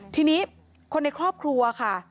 ทีนี้คนในครอบครัวค่ะ